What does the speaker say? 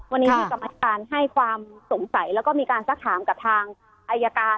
วันนี้ที่กรรมธิการให้ความสงสัยแล้วก็มีการสักถามกับทางอายการ